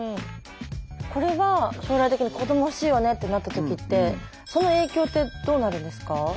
これは将来的に子供欲しいよねってなった時ってその影響ってどうなるんですか？